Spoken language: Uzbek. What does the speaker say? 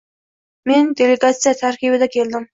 Men delegatsiya tarkibida keldim.